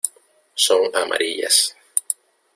son amarillas.